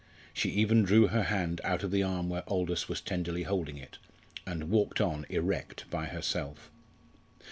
She even drew her hand out of the arm where Aldous was tenderly holding it, and walked on erect by herself.